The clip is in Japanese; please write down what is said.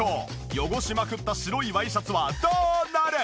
汚しまくった白いワイシャツはどうなる！？